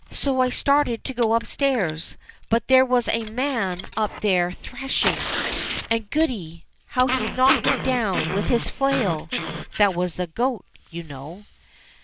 "So I started to go upstairs, but there was a man up there threshing, and goody ! how he knocked me down with his flail!" {That was the goat, you know.)